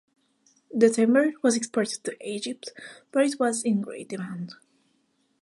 The timber was exported to Egypt, where it was in great demand.